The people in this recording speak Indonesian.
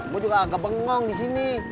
gue juga agak bengong di sini